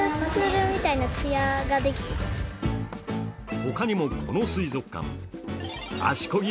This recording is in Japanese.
他にもこの水族館、足こぎ